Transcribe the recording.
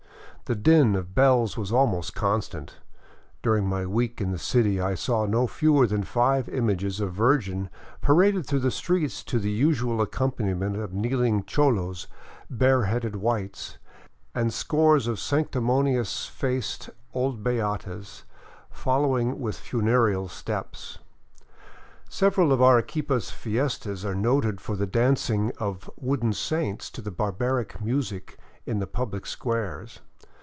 The din of bells was almost constant; during my week in the city I saw no fewer than five images of the Virgin paraded through the streets to the usual accompaniment of kneeling cholos, bareheaded whites, and scores of sanctimonious faced old beatas following with funereal step. Several of Arequipa's fiestas are noted for the dancing of wooden saints to barbaric music in the public squares.